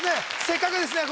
せっかくですね